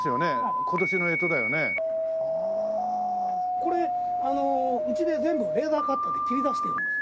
これあのうちで全部レーザーカッターで切り出してるんです。